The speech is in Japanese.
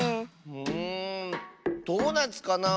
んドーナツかなあ。